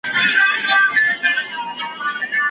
یو قفس دی چېرته ډک له انسانانو